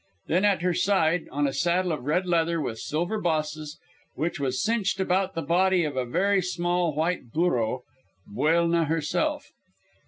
Then at her side, on a saddle of red leather with silver bosses, which was cinched about the body of a very small white burro, Buelna herself.